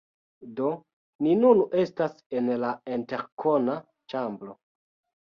Do, ni nun estas en la interkona ĉambro